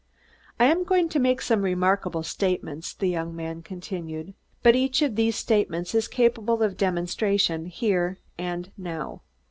"I am going to make some remarkable statements," the young man continued, "but each of those statements is capable of demonstration here and now.